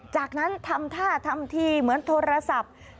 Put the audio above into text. จากนั้นทำท่าทำทีเหมือนโทรศัพท์